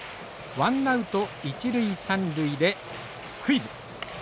ワンナウト一塁三塁でスクイズ。